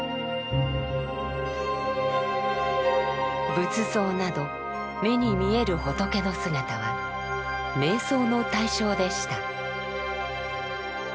仏像など目に見える仏の姿は瞑想の対象でした。